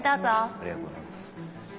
ありがとうございます。